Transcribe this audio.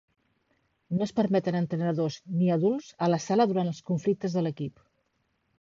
No es permeten entrenadors ni adults a la sala durant el conflictes de l'equip.